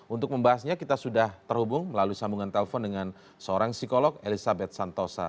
untuk membahasnya kita sudah terhubung melalui sambungan telpon dengan seorang psikolog elizabeth santosa